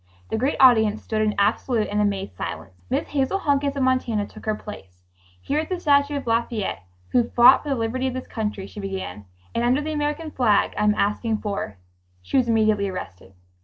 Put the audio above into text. The great audience stood in absolute and amazed silence. Miss Hazel Hunkins of Montana took her place. "Here at the statue of Lafayette, who fought for the liberty of this country," she began, "and under the American flag, I am asking for ..." She was immediately arrested.